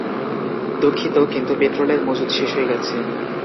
দুঃখিত, কিন্তু পেট্রোলের মজুদ শেষ হয়ে গেছে।